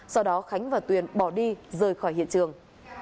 sau đó khánh và tuyền bỏ đi rời khỏi hiện trường